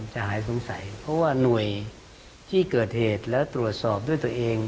จะหายสงสัยเพราะว่าหน่วยที่เกิดเหตุแล้วตรวจสอบด้วยตัวเอง